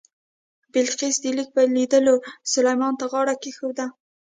بلقیس د لیک په لیدلو سلیمان ته غاړه کېښوده.